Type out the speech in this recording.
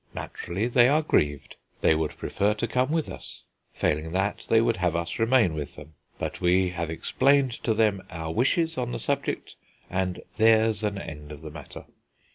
Naturally, they are grieved; they would prefer to come with us; failing that, they would have us remain with them. But we have explained to them our wishes on the subject, and there's an end of the matter."